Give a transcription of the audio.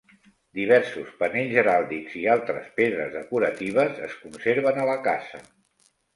Diversos panells heràldics i altres pedres decoratives es conserven a la casa.